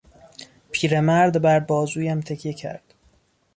پیرمرد بر بازویم تکیه کرد.